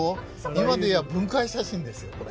今で言や分解写真ですよこれ。